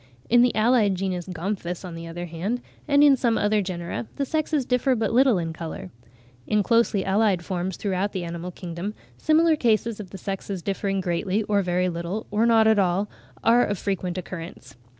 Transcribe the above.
In the allied genus Gomphus, on the other hand, and in some other genera, the sexes differ but little in colour. In closely allied forms throughout the animal kingdom, similar cases of the sexes differing greatly, or very little, or not at all, are of frequent occurrence.